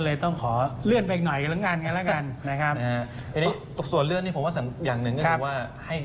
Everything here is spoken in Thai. เลยต้องขอเลื่อนไปอีกหน่อยกันแล้วกันกันแล้วกันนะครับทีนี้ส่วนเรื่องนี้ผมว่าอย่างหนึ่งก็คือว่าให้